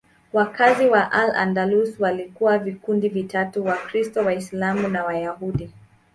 Wakazi wa Al-Andalus walikuwa wa vikundi vitatu: Wakristo, Waislamu na Wayahudi.